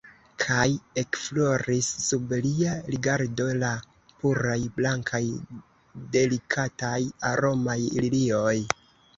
Kaj ekfloris sub lia rigardo la puraj, blankaj, delikataj, aromaj lilioj.